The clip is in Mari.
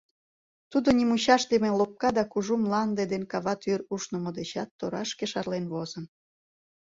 Тудо нимучашдыме лопка да кужу, мланде ден кава тӱр ушнымо дечат торашке шарлен возын.